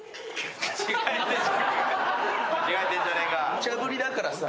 むちゃぶりだからさ。